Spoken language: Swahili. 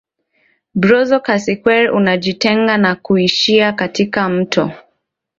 Brazo Casiquiare unajitenga na kuishia katika mto